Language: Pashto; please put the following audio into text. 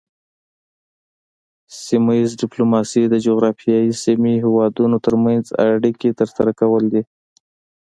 سیمه ایز ډیپلوماسي د جغرافیایي سیمې هیوادونو ترمنځ اړیکې ترسره کول دي